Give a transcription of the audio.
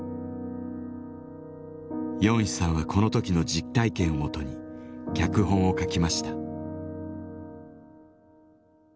ヨンヒさんはこの時の実体験をもとに脚本を書きました。